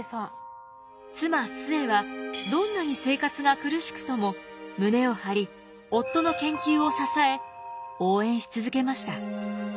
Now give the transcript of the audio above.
妻壽衛はどんなに生活が苦しくとも胸を張り夫の研究を支え応援し続けました。